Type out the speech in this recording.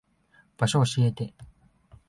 場所教えて。